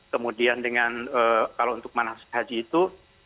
kemudian dengan kalau untuk manasik haji itu